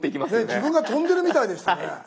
自分が飛んでるみたいでしたね。